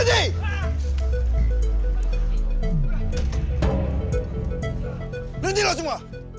nanti lah semua